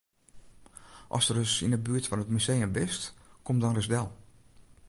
Ast ris yn 'e buert fan it museum bist, kom dan ris del.